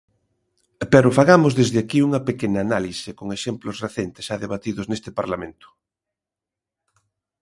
Pero fagamos desde aquí unha pequena análise con exemplos recentes xa debatidos neste Parlamento.